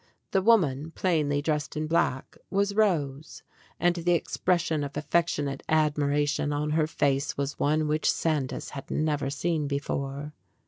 The woman, plainly dressed in black, was Rose, and the expression of affectionate admiration on her face was one which Sandys had never seen before.